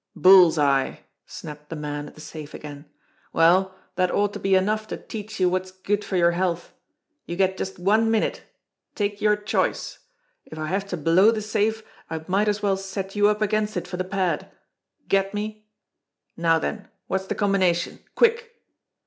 "Bull's eye!" snapped the man at the safe again. "Well, ^hat ought to be enough to teach you what's good for your health. You get just one minute. Take your choice. If I have to blow the safe, I might as well set you up against it for the pad ! Get me ? Now then, what's the combination ? Quick